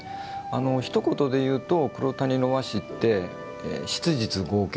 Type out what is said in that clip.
ひと言でいうと黒谷の和紙って質実剛健。